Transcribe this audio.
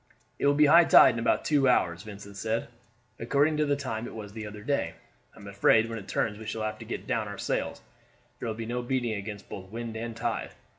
"It will be high tide in about two hours," Vincent said, "according to the time it was the other day. I am afraid when it turns we shall have to get down our sails; there will be no beating against both wind and tide.